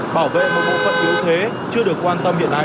bảo vệ một bộ phận yếu thế chưa được quan tâm hiện nay